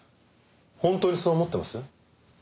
本当にそう思ってます？